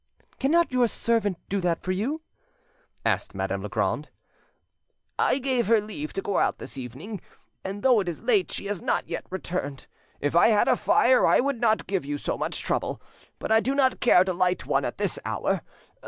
"Cannot your servant do that for you?" asked Madame Legrand. "I gave her leave to go out this evening, and though it is late she has not yet returned. If I had a fire, I would not give you so much trouble, but I do not care to light one at this hour.